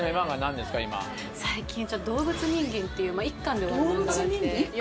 最近『動物人間』っていう１巻で終わる漫画があって。